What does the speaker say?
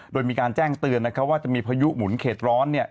โดยมีการแจ้งเตือนว่าจะมีพายุหมุนเขตร้อน